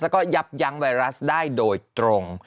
แล้วก็ยับยั้งไวรัสได้โดยตรง